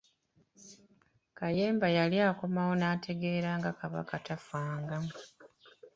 Kayemba yali akomawo, n'ategeera nga Kabaka tafanga.